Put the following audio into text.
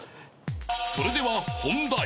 ［それでは本題］